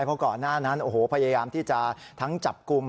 เพราะก่อนหน้านั้นโอ้โหพยายามที่จะทั้งจับกลุ่ม